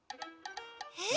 えっ？